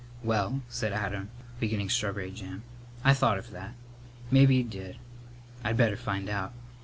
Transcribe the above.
"Well," said Adam, beginning strawberry jam, "I thought of that. Mebbe he did. I'd better find out.